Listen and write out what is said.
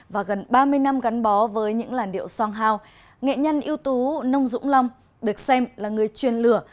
và gần ba mươi năm gắn bó với những làn điệu song hao nghệ nhân yếu tố nông dũng long được xem là người truyền lửa